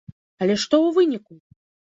Але што ў выніку?